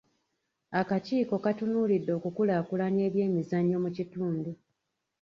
Akakiiko katunuulidde okukulaakulanya ebyemizannyo mu kitundu.